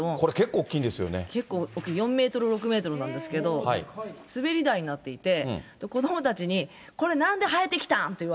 大きい、４メートル、６メートルなんですけれども、滑り台になっていて、子どもたちにこれ、なんで生えてきたん？